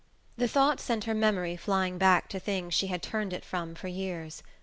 The thought sent her memory flying back to things she had turned it from for years.